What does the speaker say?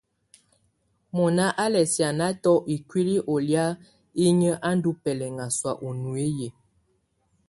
Mɔna á lɛ̀ sì́ánatɔ̀ ikuili ɔ yà inyǝ á ndù bɛlɛŋa sɔ̀á u nuiyi.